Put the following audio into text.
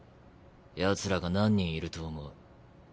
奴らが何人いると思う？